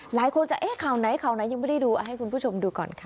หลายคนจะเอ๊ะข่าวไหนข่าวไหนยังไม่ได้ดูให้คุณผู้ชมดูก่อนค่ะ